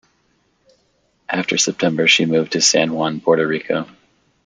After September she moved to San Juan, Puerto Rico.